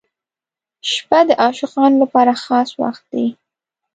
• شپه د عاشقانو لپاره خاص وخت دی.